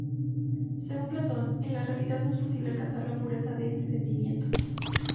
Según Platón, en la realidad no es posible alcanzar la pureza de este sentimiento.